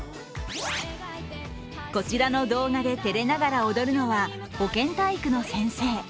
こちらの動画で照れながら踊るのは保健体育の先生。